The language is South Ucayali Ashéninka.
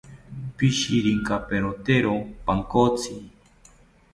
Pishirikaperotero pankotzi